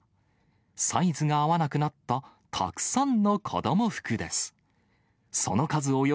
サイズが合わなくなったたくさんの子ども服です。